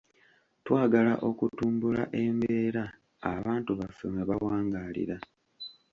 Twagala okutumbula embeera abantu baffe mwe bawangaalira.